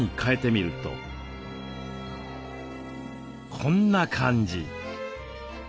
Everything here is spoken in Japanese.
こんな感じ。